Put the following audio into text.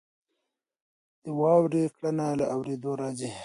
د واورې کړنه له اورېدلو راځي.